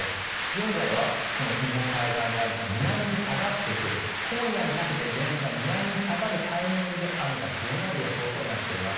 現在は日本海側にあるのが南に下がってくる今夜にかけて前線が南に下がるタイミングで雨が強まる予想となっています。